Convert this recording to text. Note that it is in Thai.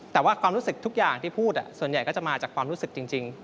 แต่ว่าความรู้สึกทุกอย่างที่พูดส่วนใหญ่ก็จะมาจากความรู้สึกจริง